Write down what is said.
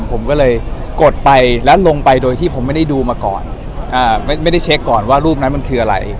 ผมก็เลยกดไปแล้วลงไปโดยที่ผมไม่ได้ดูมาก่อนไม่ได้เช็คก่อนว่ารูปนั้นมันคืออะไร